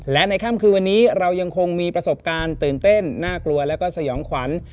และในค่ำคืนวันนี้เรายังคงมีประสบการณ์ตื่นเต้นน่ากลัวแล้วก็สยองขวัญ